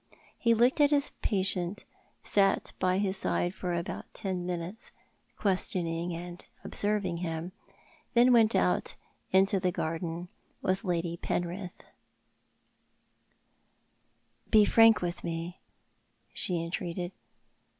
He looked at his ])atieiit, sat by his side for al)out ten minutes, questioning and observing him ; and then went out into the garden with Lady Penrith. 302 XJioii art the Man. " Be frank with me," she entreated.